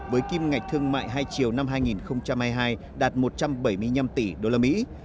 với kim ngạch thương mại hai chiều năm hai nghìn hai mươi hai đạt một trăm bảy mươi năm tỷ usd